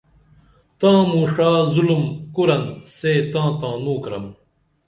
تاں موں ݜا ظُلُم کُرن سے تاں تانوں کرم